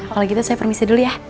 kalau gitu saya permisi dulu ya